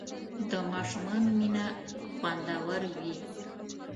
د ماشومانو مینه خوندور وي.